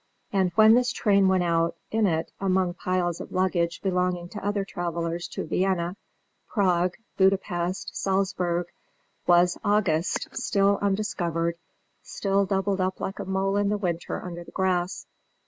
And when this train went out, in it, among piles of luggage belonging to other travellers, to Vienna, Prague, Buda Pest, Salzburg, was August, still undiscovered, still doubled up like a mole in the winter under the grass.